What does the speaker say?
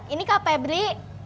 ini kak febri